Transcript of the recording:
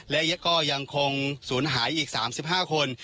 และยังคงศูนย์หายอีก๓๕คน